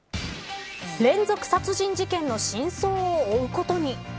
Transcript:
連続殺人事件の真相を追うことに。